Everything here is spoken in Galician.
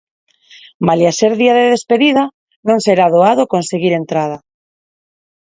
Malia ser día de despedida, non será doado conseguir entrada.